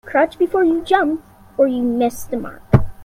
Crouch before you jump or miss the mark.